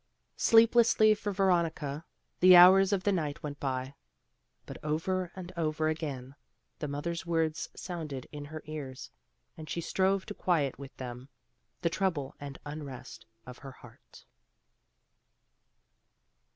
Sleeplessly for Veronica the hours of the night went by; but over and over again the mother's words sounded in her ears, and she strove to quiet with them the trouble and unrest of her heart.